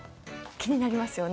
気になりますよね。